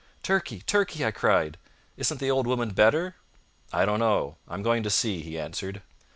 "Turkey, Turkey," I cried, "isn't the old woman better?" "I don't know. I'm going to see," he answered.